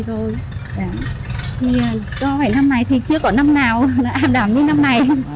do vậy năm nay thì chưa có năm nào là am đảm như năm nay